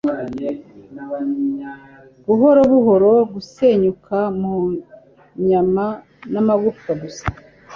buhoro buhoro gusenyuka mu nyama n'amagufwa gusa